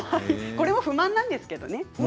これも不満なんですけどね。